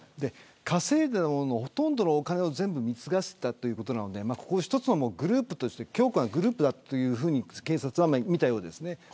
稼いだほとんどのお金を貢がせたということなので一つの強固なグループだと警察は見たようです。